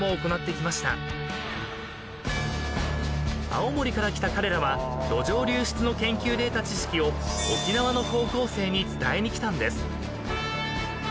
［青森から来た彼らは土壌流出の研究で得た知識を沖縄の高校生に伝えに来たんです］